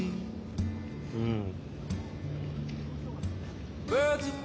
うん。